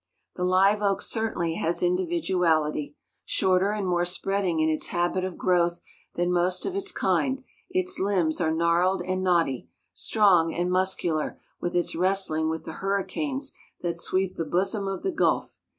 The live oak certainly has individuality. Shorter and more spreading in its habit of growth than most of its kind, its limbs are gnarled and knotty, strong and muscular with its wrestling with the hurricanes that sweep the bosom of the gulf.